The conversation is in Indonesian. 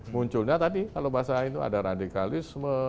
munculnya tadi kalau bahasa itu ada radikalisme